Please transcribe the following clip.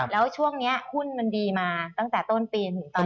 แล้วช่วงนี้หุ้นมันดีมาตั้งแต่ต้นปีจนถึงตอนนี้